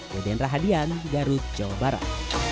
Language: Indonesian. deden rahadian garut jawa barat